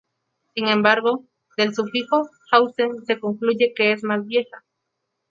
Sin embargo, del sufijo -hausen se concluye que es más vieja.